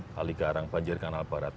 kali garang banjir kanal barat